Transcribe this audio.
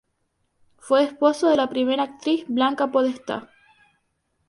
Fue esposo de la primera actriz Blanca Podestá.